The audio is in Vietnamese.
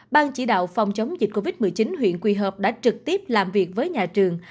ban chỉ đạo phòng chống dịch covid một mươi chín huyện quỳ hợp đã trực tiếp làm việc với nhà trường